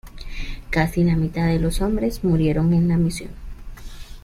Casi la mitad de los hombres murieron en la misión.